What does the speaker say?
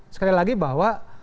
sekali lagi bahwa